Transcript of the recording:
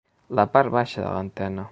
La part baixa de l'antena.